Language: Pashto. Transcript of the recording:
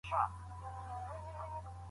د یونیسف مرستې څنګه وېشل کیږي؟